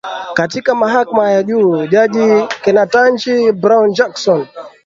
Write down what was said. katika mahakama ya juu jaji Ketanji Brown Jackson